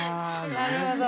なるほど。